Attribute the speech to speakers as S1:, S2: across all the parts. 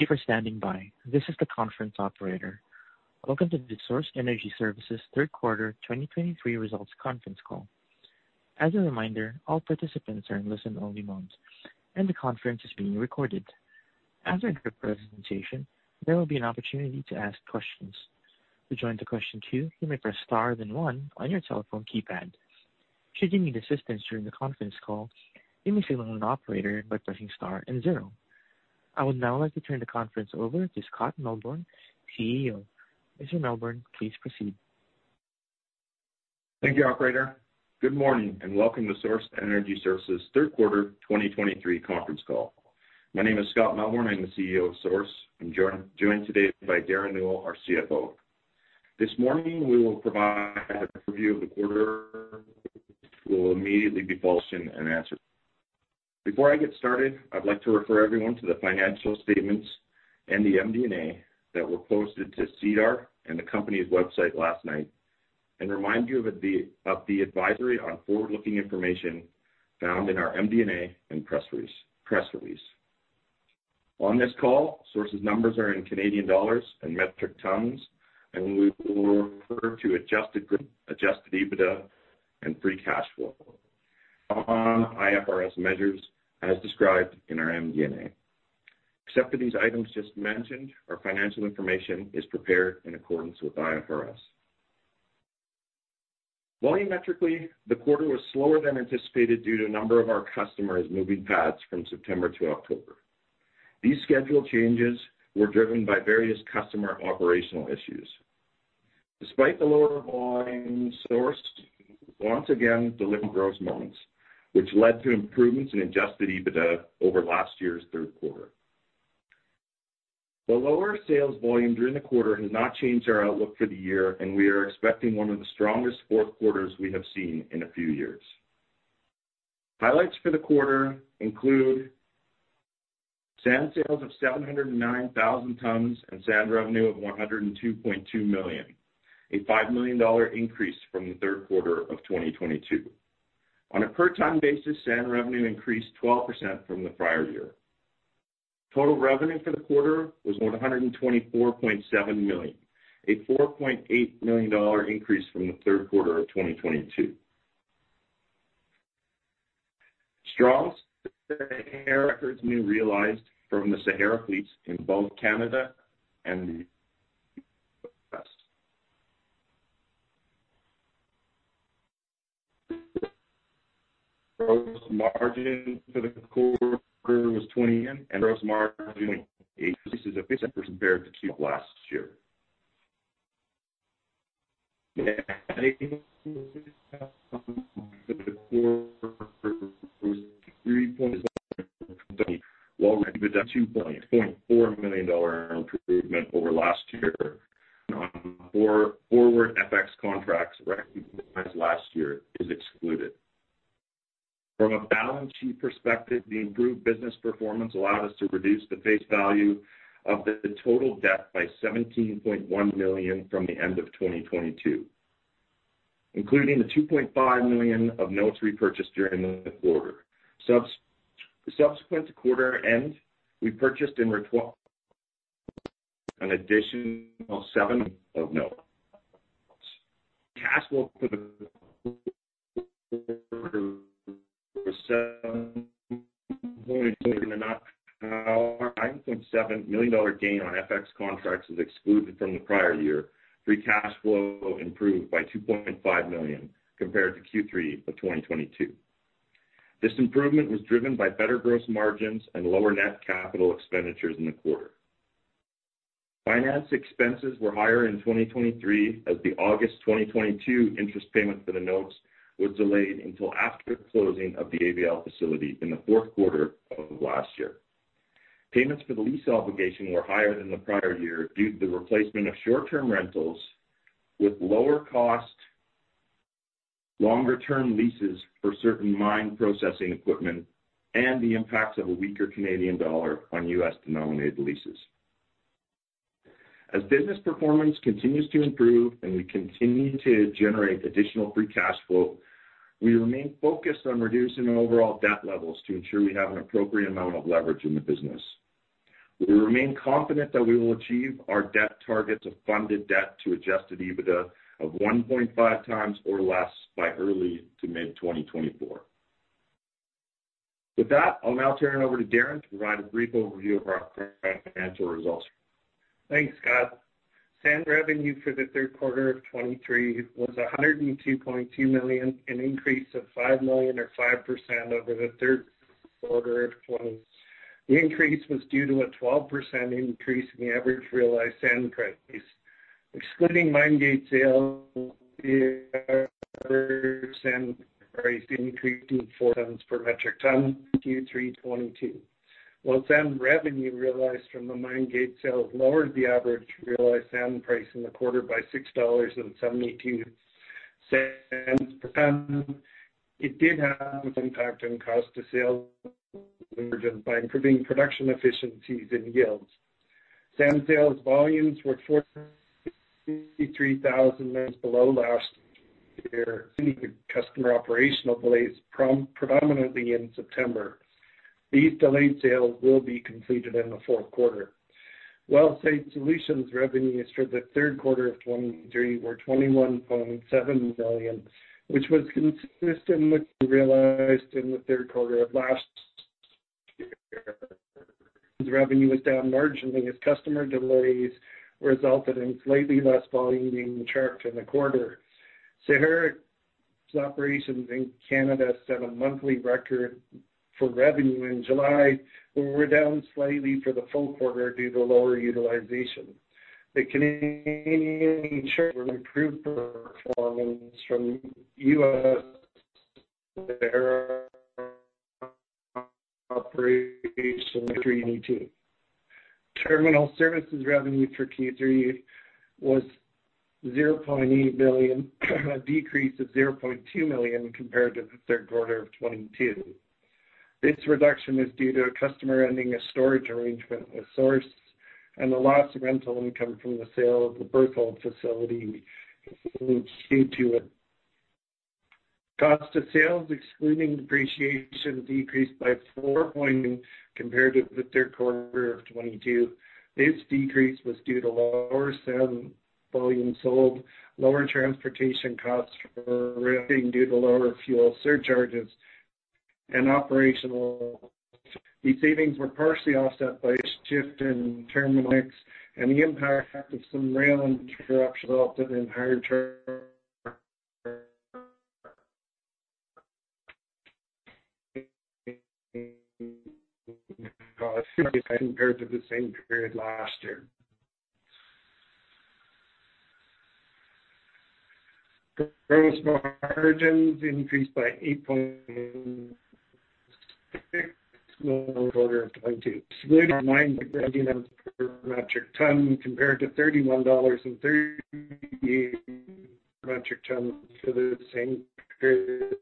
S1: Thank you for standing by. This is the conference operator. Welcome to the Source Energy Services Q3 2023 Results Conference Call. As a reminder, all participants are in listen-only mode, and the conference is being recorded. After the presentation, there will be an opportunity to ask questions. To join the question queue, you may press star then one on your telephone keypad. Should you need assistance during the conference call, you may signal an operator by pressing star and zero. I would now like to turn the conference over to Scott Melbourn, CEO. Mr. Melbourn, please proceed.
S2: Thank you, operator. Good morning, and welcome to Source Energy Services Q3 2023 conference call. My name is Scott Melbourn. I'm the CEO of Source. I'm joined today by Derren Newell, our CFO. This morning, we will provide a review of the quarter. We'll immediately be question and answer. Before I get started, I'd like to refer everyone to the financial statements and the MD&A that were posted to SEDAR and the company's website last night and remind you of the advisory on forward-looking information found in our MD&A and press release. On this call, Source's numbers are in Canadian dollars and metric tons, and we will refer to adjusted EBITDA and free cash flow, non-IFRS measures, as described in our MD&A. Except for these items just mentioned, our financial information is prepared in accordance with IFRS. Volumetrically, the quarter was slower than anticipated due to a number of our customers moving pads from September to October. These schedule changes were driven by various customer operational issues. Despite the lower volume, Source once again delivered gross margins, which led to improvements in Adjusted EBITDA over last year's Q3. The lower sales volume during the quarter has not changed our outlook for the year, and we are expecting one of the strongest Q4s we have seen in a few years. Highlights for the quarter include sand sales of 709,000 tons and sand revenue of 102.2 million, a 5 million dollar increase from the Q3 of 2022. On a per ton basis, sand revenue increased 12% from the prior year. Total revenue for the quarter was 124.7 million, a 4.8 million dollar increase from the Q3 of 2022. Strong records we realized from the Sahara fleets in both Canada and the U.S. Gross margin for the quarter was 20 million, and gross margin 8%, which is a 50% compared to last year. With 2.4 million dollar improvement over last year, if forward FX contracts recognized last year is excluded. From a balance sheet perspective, the improved business performance allowed us to reduce the face value of the total debt by 17.1 million from the end of 2022, including the 2.5 million of notes repurchased during the quarter. Subsequent to quarter end, we purchased and returned an additional 0.7 million of notes. Cash flow for the quarter was 7.2 million dollars. 9.7 million dollar gain on FX contracts is excluded from the prior year. Free cash flow improved by 2.5 million compared to Q3 of 2022. This improvement was driven by better gross margins and lower net capital expenditures in the quarter. Finance expenses were higher in 2023, as the August 2022 interest payment for the notes was delayed until after the closing of the ABL facility in the Q4 of last year. Payments for the lease obligation were higher than the prior year due to the replacement of short-term rentals with lower cost, longer-term leases for certain mine processing equipment and the impacts of a weaker Canadian dollar on U.S.-denominated leases. As business performance continues to improve and we continue to generate additional free cash flow, we remain focused on reducing our overall debt levels to ensure we have an appropriate amount of leverage in the business. We remain confident that we will achieve our debt targets of funded debt to Adjusted EBITDA of 1.5 times or less by early to mid-2024. With that, I'll now turn it over to Derren to provide a brief overview of our financial results.
S3: Thanks, Scott. Sand revenue for the Q3 of 2023 was 102.2 million, an increase of 5 million or 5% over the Q3 of 2022. The increase was due to a 12% increase in the average realized sand price. Excluding mine gate sales, the average sand price increased to 40 per metric ton, Q3 2022. While sand revenue realized from the mine gate sales lowered the average realized sand price in the quarter by 6.72 dollars per ton, it did have an impact on cost of sales by improving production efficiencies and yields. Sand sales volumes were 43,000 below last year. Customer operational delays, predominantly in September. These delayed sales will be completed in the Q4. Wellsite Solutions revenue for the Q3 of 2023 were 21.7 million, which was consistent with realized in the Q3 of last year. Revenue was down marginally as customer delays resulted in slightly less volume being charged in the quarter. Sahara's operations in Canada set a monthly record for revenue in July, but were down slightly for the full quarter due to lower utilization. The Canadian improved performance from U.S. operations. Terminal services revenue for Q3 was 0.8 billion, a decrease of 0.2 million compared to the Q3 of 2022. This reduction is due to a customer ending a storage arrangement with Source and the loss of rental income from the sale of the Berthold facility in Q2. Cost of sales, excluding depreciation, decreased by four point... compared to the Q3 of 2022. This decrease was due to lower sand volumes sold, lower transportation costs for rail due to lower fuel surcharges and operational. These savings were partially offset by a shift in terminal mix and the impact of some rail interruptions resulted in higher charge compared to the same period last year. Gross margins increased by 8.6 million quarter of 2022, excluding CAD 9 per metric ton, compared to 31 dollars and 38 per metric ton for the same period,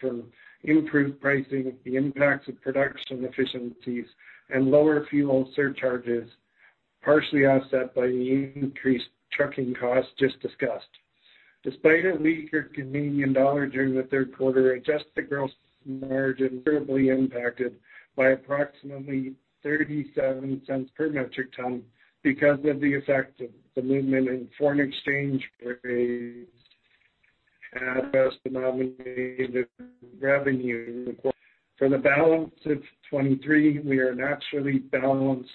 S3: from improved pricing, the impacts of production efficiencies, and lower fuel surcharges, partially offset by increased trucking costs just discussed. Despite a weaker Canadian dollar during the Q3, adjusted gross margin terribly impacted by approximately 0.37 per metric ton because of the effect of the movement in foreign exchange rates as denominated revenue. For the balance of 2023, we are naturally balanced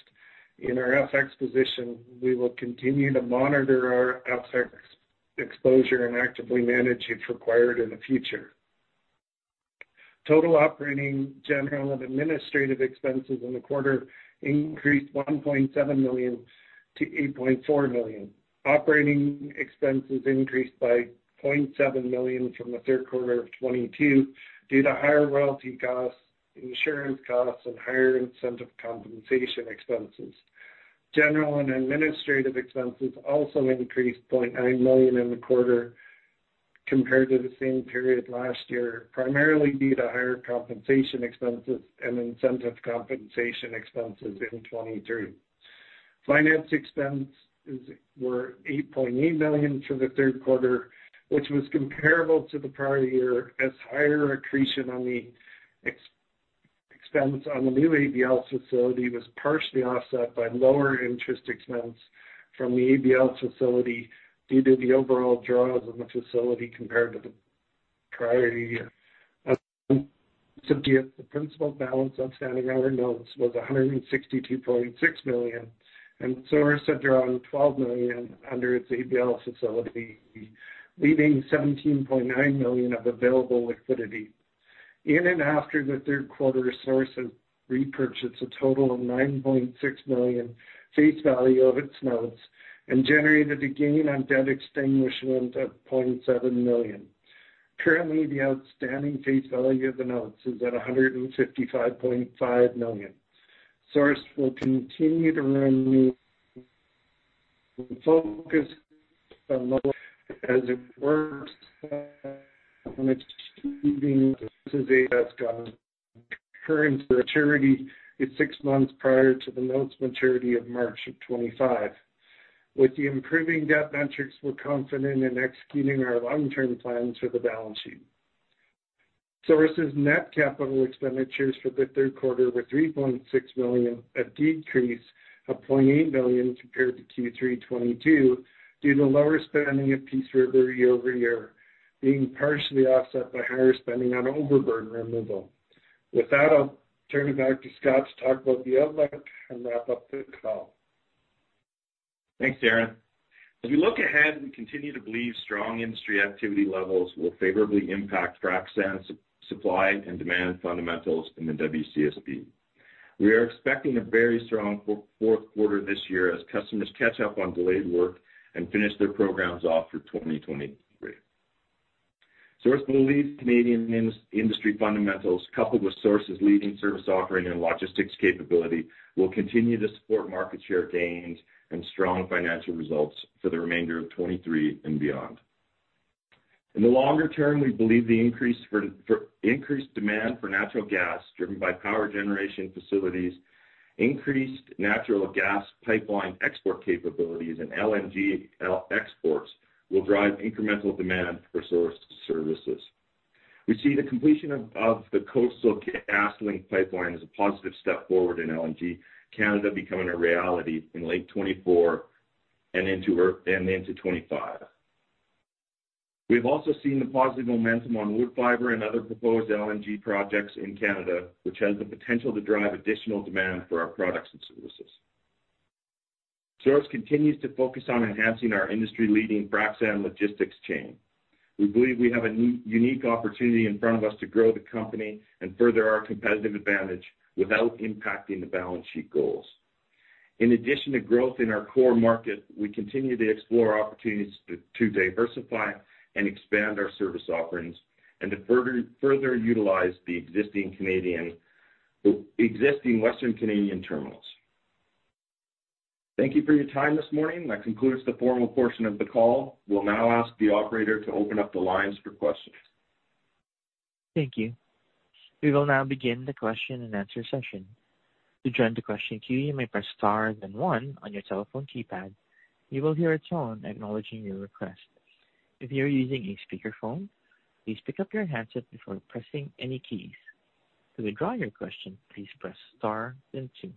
S3: in our FX position. We will continue to monitor our FX exposure and actively manage if required in the future. Total operating general and administrative expenses in the quarter increased 1.7 to 8.4 million. Operating expenses increased by 0.7 million from the Q3 of 2022 due to higher royalty costs, insurance costs, and higher incentive compensation expenses. General and administrative expenses also increased 0.9 million in the quarter compared to the same period last year, primarily due to higher compensation expenses and incentive compensation expenses in 2023. Finance expenses were 8.8 million for the Q3, which was comparable to the prior year, as higher accretion on the expense on the new ABL facility was partially offset by lower interest expense from the ABL facility due to the overall draws of the facility compared to the prior year. As of the principal balance, outstanding on our notes was 162.6 million, and Source had drawn 12 million under its ABL facility, leaving 17.9 million of available liquidity. In and after the Q3, Source has repurchased a total of 9.6 million face value of its notes and generated a gain on debt extinguishment of 0.7 million. Currently, the outstanding face value of the notes is at 155.5 million. Source will continue to remain focused on the as it works on its current maturity, it's six months prior to the notes maturity of March 2025. With the improving debt metrics, we're confident in executing our long-term plans for the balance sheet. Source's net capital expenditures for the Q3 were 3.6 million, a decrease of 0.8 million compared to Q3 2022, due to lower spending at Peace River year-over-year, being partially offset by higher spending on overburden removal. With that, I'll turn it back to Scott to talk about the outlook and wrap up the call.
S2: Thanks, Derren. As we look ahead, we continue to believe strong industry activity levels will favorably impact frac sand, supply, and demand fundamentals in the WCSB. We are expecting a very strong four, Q4 this year as customers catch up on delayed work and finish their programs off for 2023. Source believes Canadian industry fundamentals, coupled with Source's leading service offering and logistics capability, will continue to support market share gains and strong financial results for the remainder of 2023 and beyond. In the longer term, we believe the increased demand for natural gas, driven by power generation facilities, increased natural gas pipeline export capabilities and LNG exports will drive incremental demand for Source services. We see the completion of the Coastal GasLink pipeline as a positive step forward in LNG Canada becoming a reality in late 2024 and into 2025. We've also seen the positive momentum on Woodfibre LNG and other proposed LNG projects in Canada, which has the potential to drive additional demand for our products and services. Source continues to focus on enhancing our industry-leading frac sand logistics chain. We believe we have a unique opportunity in front of us to grow the company and further our competitive advantage without impacting the balance sheet goals. In addition to growth in our core market, we continue to explore opportunities to diversify and expand our service offerings and to further utilize the existing Western Canadian terminals. Thank you for your time this morning. That concludes the formal portion of the call. We'll now ask the operator to open up the lines for questions.
S1: Thank you. We will now begin the question-and-answer session. To join the question queue, you may press star then one on your telephone keypad. You will hear a tone acknowledging your request. If you are using a speakerphone, please pick up your handset before pressing any keys. To withdraw your question, please press star then two.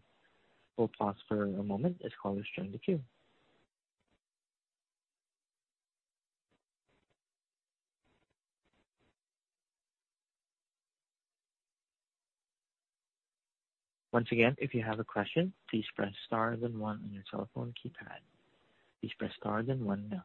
S1: We'll pause for a moment as callers join the queue. Once again, if you have a question, please press star then one on your telephone keypad. Please press star then one now.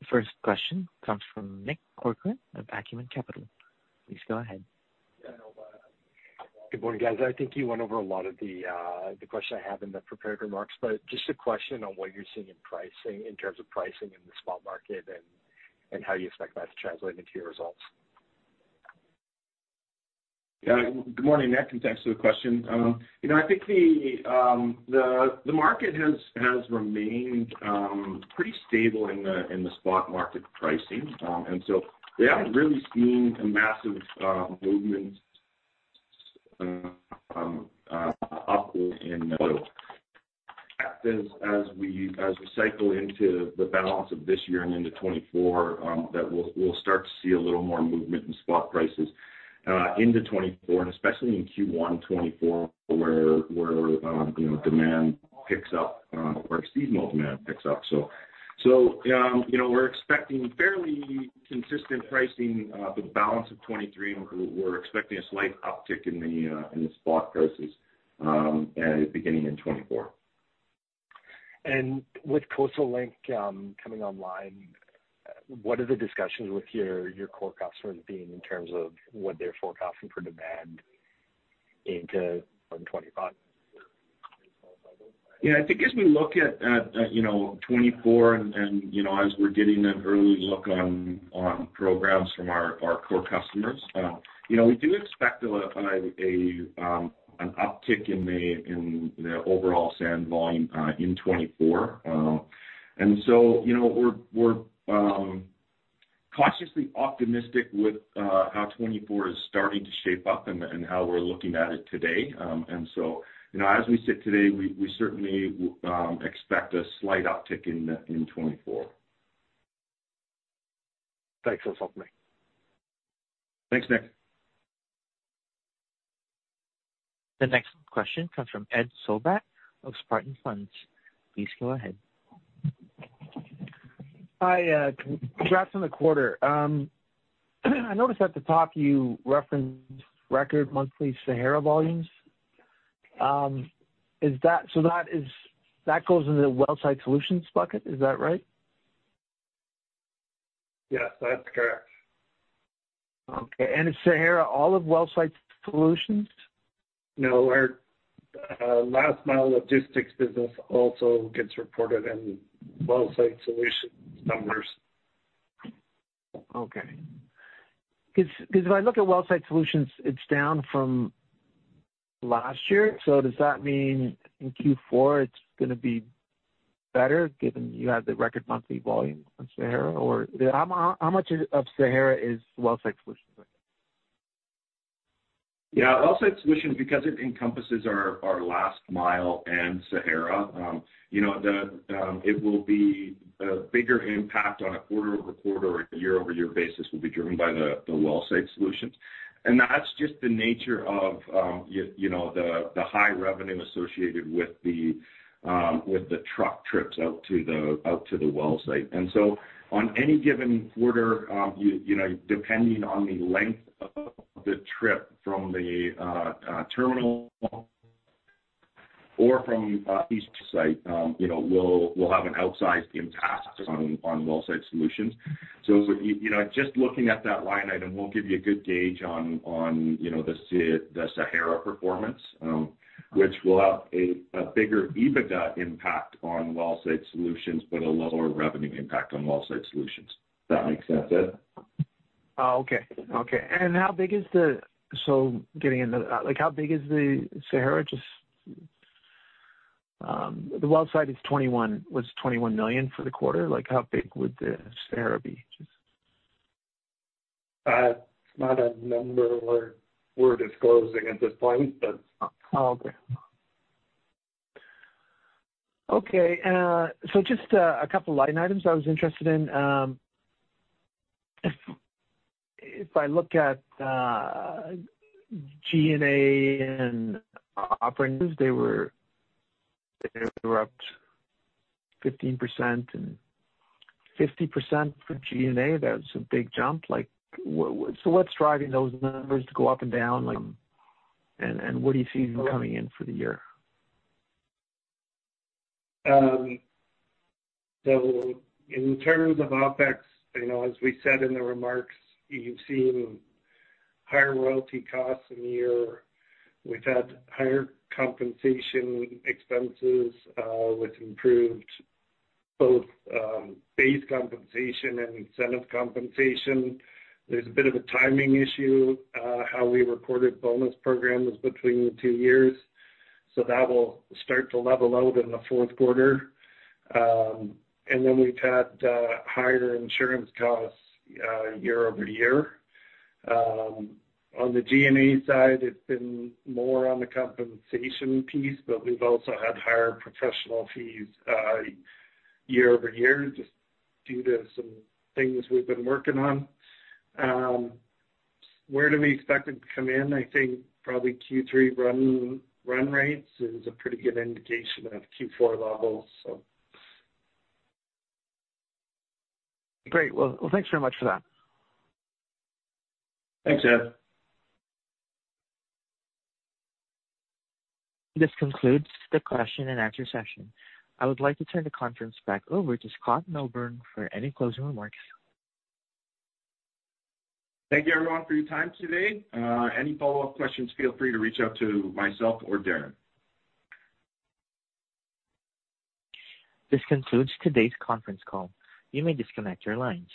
S1: The first question comes from Nick Corcoran of Acumen Capital. Please go ahead.
S4: Good morning, guys. I think you went over a lot of the questions I have in the prepared remarks, but just a question on what you're seeing in pricing, in terms of pricing in the spot market and how you expect that to translate into your results.
S2: Yeah, good morning, Nick. Thanks for the question. You know, I think the market has remained pretty stable in the spot market pricing. And so we haven't really seen a massive movement upward as we cycle into the balance of this year and into 2024, that we'll start to see a little more movement in spot prices into 2024, and especially in Q1 2024, where you know, demand picks up or seasonal demand picks up. So, you know, we're expecting fairly consistent pricing for the balance of 2023. We're expecting a slight uptick in the spot prices and beginning in 2024.
S4: With Coastal GasLink coming online, what are the discussions with your core customers being in terms of what they're forecasting for demand into 2025?
S2: Yeah, I think as we look at, you know, 2024 and, you know, as we're getting an early look on programs from our core customers, you know, we do expect an uptick in the overall sand volume in 2024. And so, you know, we're cautiously optimistic with how 2024 is starting to shape up and how we're looking at it today. And so, you know, as we sit today, we certainly expect a slight uptick in 2024.
S4: Thanks for talking to me.
S2: Thanks, Nick.
S1: The next question comes from Ed Sollbach of Spartan Funds. Please go ahead.
S5: Hi, congrats on the quarter. I noticed at the top you referenced record monthly Sahara volumes. Is that so that is, that goes in the Wellsite Solutions bucket, is that right?
S2: Yes, that's correct.
S5: Okay. And is Sahara all of Wellsite Solutions?
S2: No, our last mile logistics business also gets reported in Wellsite Solutions numbers.
S5: Okay. Because, because if I look at Wellsite Solutions, it's down from last year. So does that mean in Q4 it's gonna be better, given you have the record monthly volume on Sahara? Or how much of Sahara is Wellsite Solutions?
S2: Yeah, Wellsite Solutions, because it encompasses our last mile and Sahara, you know, it will be a bigger impact on a quarter-over-quarter or a year-over-year basis, will be driven by the Wellsite Solutions. And that's just the nature of, you know, the high revenue associated with the truck trips out to the wellsite. And so on any given quarter, you know, depending on the length of the trip from the terminal or from each site, you know, we'll have an outsized impact on Wellsite Solutions. So, you know, just looking at that line item won't give you a good gauge on, you know, the Sahara performance, which will have a bigger EBITDA impact on Wellsite Solutions, but a lower revenue impact on Wellsite Solutions. Does that make sense, Ed?...
S5: Oh, okay. Okay. And how big is the, so getting into, like, how big is the Sahara? Just, the well site is 21 million, was 21 million for the quarter. Like, how big would the Sahara be?
S3: It's not a number we're disclosing at this point, but.
S5: Oh, okay. Okay, so just a couple line items I was interested in. If I look at G&A and operating, they were up 15% and 50% for G&A. That's a big jump. Like, so what's driving those numbers to go up and down? Like, and what do you see coming in for the year?
S3: So in terms of OpEx, you know, as we said in the remarks, you've seen higher royalty costs in the year. We've had higher compensation expenses with improved both base compensation and incentive compensation. There's a bit of a timing issue how we recorded bonus programs between the two years, so that will start to level out in the Q4. And then we've had higher insurance costs year-over-year. On the G&A side, it's been more on the compensation piece, but we've also had higher professional fees year-over-year, just due to some things we've been working on. Where do we expect it to come in? I think probably Q3 run rates is a pretty good indication of Q4 levels, so.
S5: Great. Well, thanks very much for that.
S3: Thanks, Ed.
S1: This concludes the question and answer session. I would like to turn the conference back over to Scott Melbourn for any closing remarks.
S2: Thank you everyone for your time today. Any follow-up questions, feel free to reach out to myself or Derren.
S1: This concludes today's conference call. You may disconnect your line.